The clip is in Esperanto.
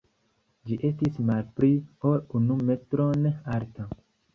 Ĝi estis malpli ol unu metron alta.